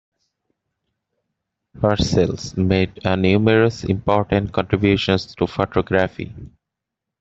Herschel made numerous important contributions to photography.